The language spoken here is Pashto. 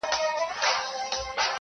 • مړی نه وو یوه لویه هنګامه وه -